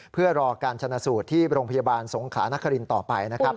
เพื่อรอการชนะสูตรที่โรงพยาบาลสงขลานครินต่อไปนะครับ